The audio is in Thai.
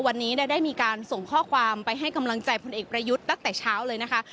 วันนี้ได้มีการส่งข้อความไปให้กำลังใจพลเอกประยุทธ์ตั้งแต่เช้าเลยนะคะ